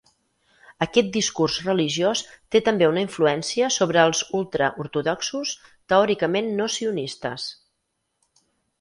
Aquest discurs religiós té també una influència sobre els ultraortodoxos, teòricament no sionistes.